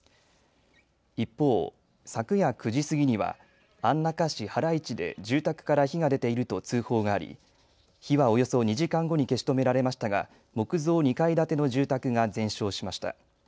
一方、昨夜９時過ぎには安中市原市で住宅から火が出ていると通報があり火はおよそ２時間後に消し止められましたが木造２階建ての住宅が全焼しました。